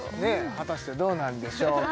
果たしてどうなんでしょうか？